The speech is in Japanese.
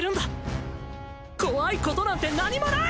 怖いことなんて何もない！